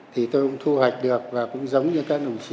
thì tôi cũng thu hoạch được và cũng giống như các đồng chí